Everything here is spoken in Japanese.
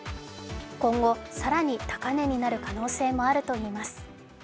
今後、更に高値になる可能性もあるといいます。